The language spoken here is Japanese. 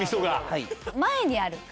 はい。